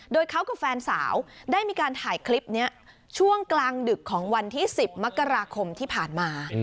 โดยเขากับแฟนสาวได้มีการถ่ายคลิปนี้ช่วงกลางดึกของวันที่๑๐มกราคมที่ผ่านมา